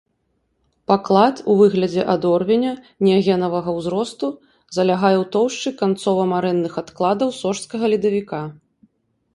Паклад у выглядзе адорвеня неагенавага ўзросту залягае ў тоўшчы канцова-марэнных адкладаў сожскага ледавіка.